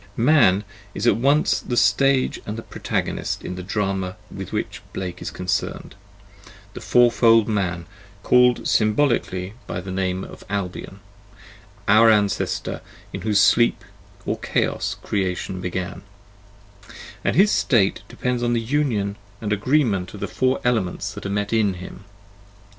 Man is at once the stage and the protagonist in the drama with which Blake is concerned, the Fourfold Man, called sym bolically by the name of Albion, " our ancestor, in whose sleep or Chaos creation began,"; and his state depends on the union and agreement of the four elements that are met in him.